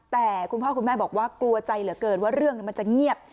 แต่คุณพ่อคุณแม่บอกว่ากลัวใจเหลือเกินว่าเรื่องมันจะเงียบ